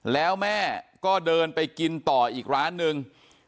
แล้วแม่ก็เดินไปกินต่ออีกร้านนึง